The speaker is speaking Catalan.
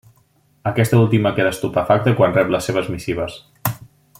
Aquesta última queda estupefacta quan rep les seves missives.